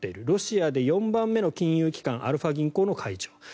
ロシアで４番目の金融機関アルファ銀行の会長。